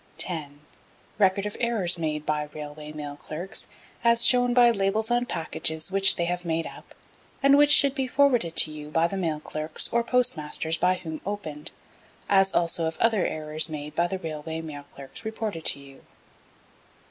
10. Record of errors made by Railway Mail Clerks, as shown by labels on packages which they have made up, and which should be forwarded to you by the Mail Clerks or Postmasters by whom opened, as also of other errors made by Railway Mail Clerks reported to you.